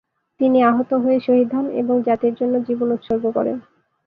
তিনি আহত হয়ে় শহীদ হন এবং জাতির জন্য জীবন উৎসর্গ করেন।